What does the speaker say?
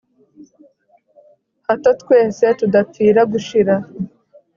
hato twese tudapfira gushira